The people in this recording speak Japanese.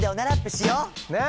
ねえ。